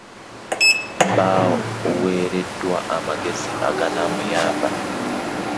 Baweereddwa amagezi aganaamuyamba.